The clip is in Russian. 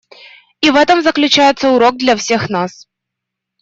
И в этом заключается урок для всех нас.